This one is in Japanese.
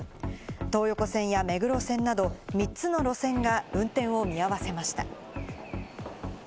東横線や目黒線など３つの路線が運転を見合わせました。